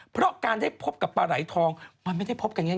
เพราะการได้พบกับปลาไหลทองมันไม่ได้พบกันง่าย